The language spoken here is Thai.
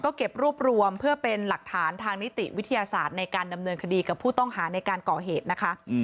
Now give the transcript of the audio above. ก็เก็บรวบรวมเพื่อเป็นหลักฐานทางนิติวิทยาศาสตร์ในการดำเนินคดีกับผู้ต้องหาในการก่อเหตุนะคะ